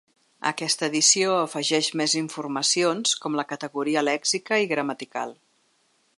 Aquesta edició afegeix més informacions, com la categoria lèxica i gramatical.